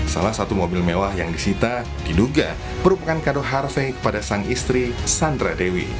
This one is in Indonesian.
salah satu mobil mewah yang disita diduga merupakan kado harvey kepada sang istri sandra dewi